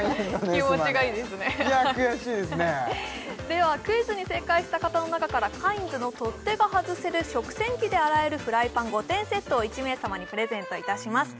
気持ちがいいですね悔しいですねではクイズに正解した方の中からカインズの取っ手が外せる食洗機で洗えるフライパン５点セットを１名様にプレゼントいたします